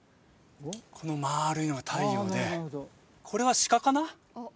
この丸いのが太陽でこれは鹿かな？